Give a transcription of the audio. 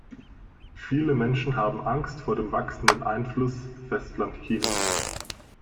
Viele Menschen haben Angst vor dem wachsenden Einfluss Festlandchinas.